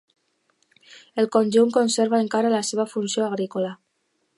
El conjunt conserva encara la seva funció agrícola.